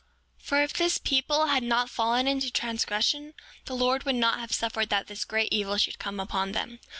7:25 For if this people had not fallen into transgression the Lord would not have suffered that this great evil should come upon them.